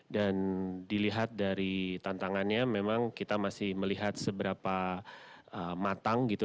dan dilihat dari tantangannya memang kita masih melihat seberapa matang gitu